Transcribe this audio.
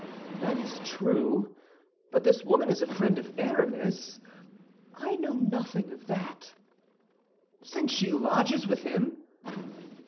"That is true; but this woman is a friend of Aramis—" "I know nothing of that." "—since she lodges with him."